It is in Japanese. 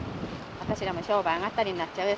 私らも商売あがったりになっちゃうよ